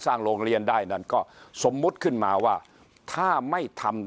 โรงเรียนได้นั้นก็สมมุติขึ้นมาว่าถ้าไม่ทำ